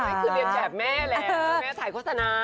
นี่คือเรียนแบบแม่แล้วแม่ถ่ายโฆษณา